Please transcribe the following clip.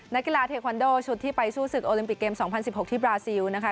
นักกีฬาเทควันโดชุดที่ไปสู้ศึกโอลิมปิกเกม๒๐๑๖ที่บราซิลนะคะ